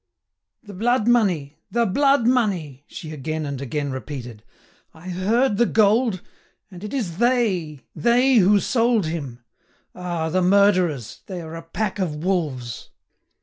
"The blood money! the blood money!" she again and again repeated. "I heard the gold. And it is they, they who sold him. Ah! the murderers! They are a pack of wolves."